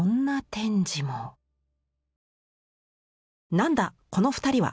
なんだこの２人は！